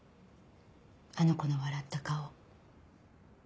あの子の笑った顔。